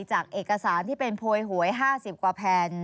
จากเอกสารที่เป็นโพยหวย๕๐กว่าแผ่น